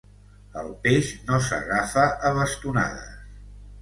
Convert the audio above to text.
El peix no s'agafa a bastonades.